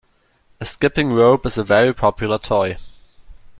A skipping rope is a very popular toy